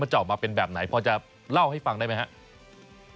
จะออกมาเป็นแบบไหนพอจะเล่าให้ฟังได้ไหมครับ